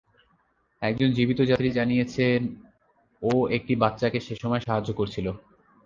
একজন জীবিত যাত্রী জানিয়েছে, ও একটি বাচ্চাকে সেসময় সাহায্য করছিল।